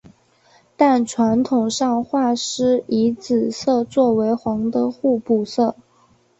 但传统上画师以紫色作为黄的互补色。